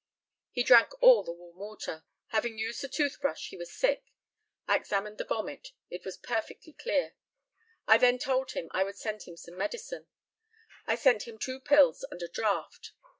He drank all the warm water. Having used the toothbrush he was sick. I examined the vomit; it was perfectly clear. I then told him I would send him some medicine. I sent him two pills and a draught.